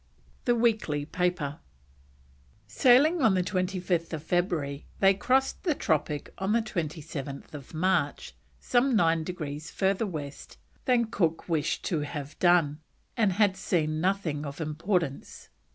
THE WEEKLY PAPER. Sailing on 25th February, they crossed the tropic on 27th March, some 9 degrees further west than Cook wished to have done, and had seen nothing of importance.